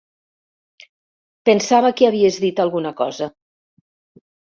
Pensava que havies dit alguna cosa.